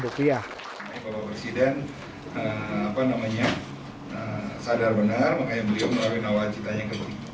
bapak presiden sadar benar mengenai melalui nawacitanya ke tiga